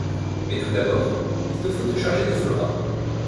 Mais tout d’abord, il te faut te charger de Flora.